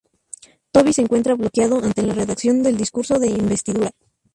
Toby se encuentra bloqueado ante la redacción del discurso de Investidura.